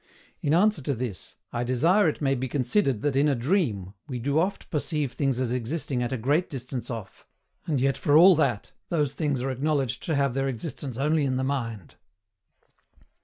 In answer to this, I desire it may be considered that in a DREAM we do oft perceive things as existing at a great distance off, and yet for all that, those things are acknowledged to have their existence only in the mind.